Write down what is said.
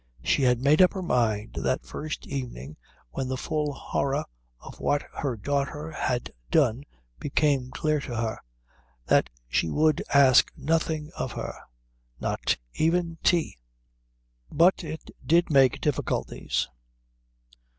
She had made up her mind that first evening, when the full horror of what her daughter had done became clear to her, that she would ask nothing of her, not even tea. But it did make difficulties.